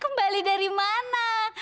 kembali dari mana